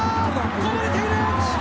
こぼれている！